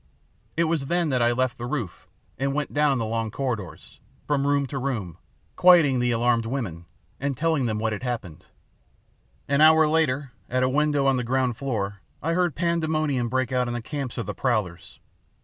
It was then that I left the roof and went down the long corridors, from room to room, quieting the alarmed women and telling them what had happened. "An hour later, at a window on the ground floor, I heard pandemonium break out in the camps of the prowlers.